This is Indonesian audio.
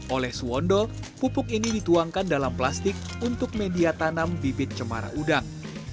oleh suwondo pupuk ini dituangkan dalam plastik untuk media tanam bibit cemara udang